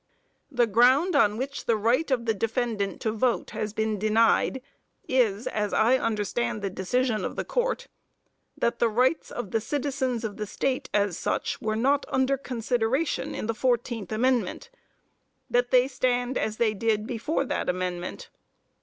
The ground on which the right of the defendant to vote has been denied, is, as I understand the decision of the court, "that the rights of the citizens of the state as such were not under consideration in the fourteenth amendment; that they stand as they did before that amendment....